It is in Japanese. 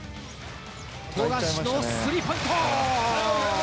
富樫のスリーポイント。